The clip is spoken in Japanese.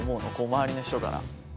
周りの人から。